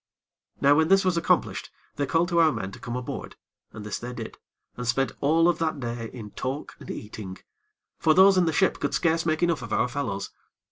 Now when this was accomplished they called to our men to come aboard, and this they did, and spent all of that day in talk and eating; for those in the ship could scarce make enough of our fellows.